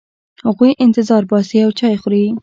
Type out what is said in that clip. هغوی انتظار باسي او چای خوري.